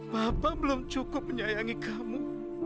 papa belum cukup menyayangi kamu